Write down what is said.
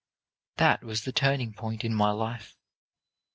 "That was the turning point in my life.